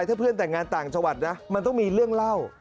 ถ้าเพื่อนแต่งงานต่างจังหวัดนะมันต้องมีเรื่องเล่า